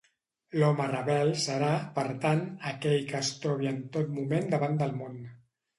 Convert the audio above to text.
L'home rebel serà, per tant, aquell que es trobi en tot moment davant del món.